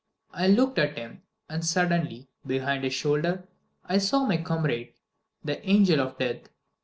I looked at him, and suddenly, behind his shoulder, I saw my comrade the angel of death.